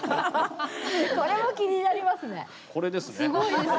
これも気になりますね。